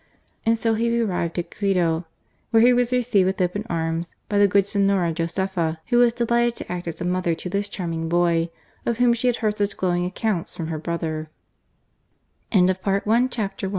And so he arrived at Quito, n^ere he was received with open arms by the good Senora Josepha, who was delighted to act as a mother to this charming boy, of whom she had heard such glowing accounts from her brother* CHAPTER II. LIFE AS A STUDEN